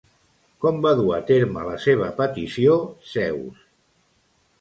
Com va dur a terme la seva petició, Zeus?